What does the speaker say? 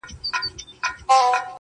• اوس خو رڼاگاني كيسې نه كوي.